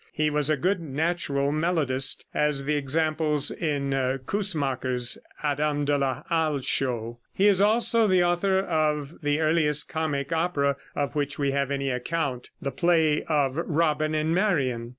He was a good natural melodist, as the examples in Coussemaker's "Adam de la Halle" show. He is also the author of the earliest comic opera of which we have any account, the play of "Robin and Marion."